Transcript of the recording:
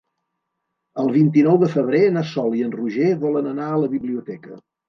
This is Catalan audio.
El vint-i-nou de febrer na Sol i en Roger volen anar a la biblioteca.